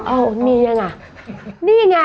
อ้าวมียังไงนี่ไง